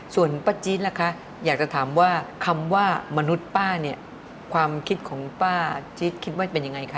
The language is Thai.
ส่วนป้าจี๊ดล่ะคะอยากจะถามว่าคำว่ามนุษย์ป้าเนี่ยความคิดของป้าจี๊ดคิดว่าเป็นยังไงคะ